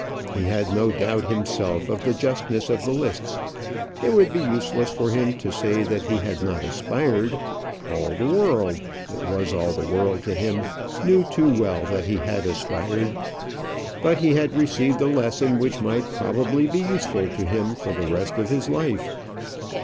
He had no doubt himself of the justness of the lists. It would be useless for him to say that he had not aspired; all the world" it was all the world to him "knew too well that he had aspired. But he had received a lesson which might probably be useful to him for the rest of his life.